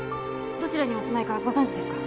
どちらにお住まいかご存じですか？